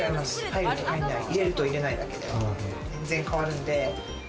入れると入れないでは全然変わるんで。